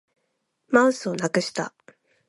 マウスをなくした